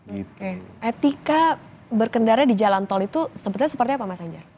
oke etika berkendara di jalan tol itu sebetulnya seperti apa mas anjar